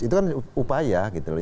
itu kan upaya gitu